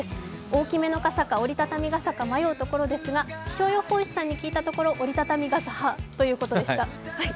大きめの傘か折りたたみ傘か迷うところですが、気象予報士さんに聞いたところ、折りたたみ傘ということでした。